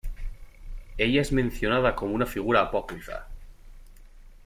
Ella es mencionada como una figura apócrifa.